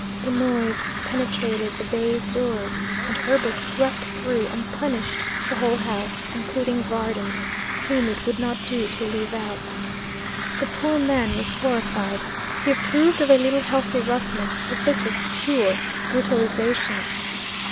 The noise penetrated the baize doors, and Herbert swept through and punished the whole house, including Varden, whom it would not do to leave out. The poor man was horrified. He approved of a little healthy roughness, but this was pure brutalization.